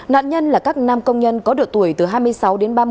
nạn nhân là các nam công nhân có độ tuổi từ hai mươi sáu đến ba mươi